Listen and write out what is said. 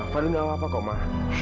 fadil nggak apa apa kak mak